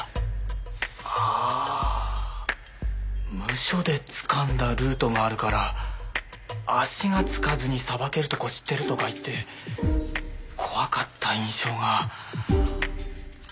ああムショでつかんだルートがあるから足がつかずにさばけるとこ知ってるとか言って怖かった印象が。